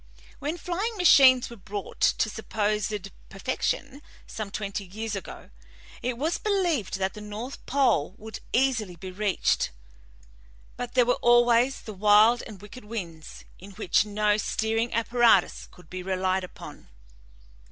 "When flying machines were brought to supposed perfection, some twenty years ago, it was believed that the pole would easily be reached, but there were always the wild and wicked winds, in which no steering apparatus could be relied upon.